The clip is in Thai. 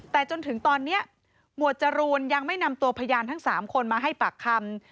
แต่จนถึงตอนนี้หมวดจรูนยังไม่นำตัวพยานทั้ง๓คนมาให้ปากคำ